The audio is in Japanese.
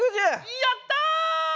やった！